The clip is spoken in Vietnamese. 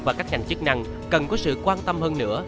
và các ngành chức năng cần có sự quan tâm hơn nữa